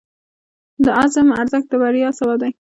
د عزم ارزښت د بریا سبب دی.